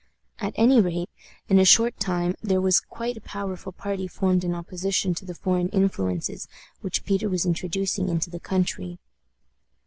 At any rate, in a short time there was quite a powerful party formed in opposition to the foreign influences which Peter was introducing into the country.